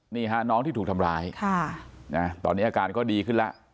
นี่ฮะน้องที่ถูกทำร้ายตอนนี้อาการก็ดีขึ้นแล้ว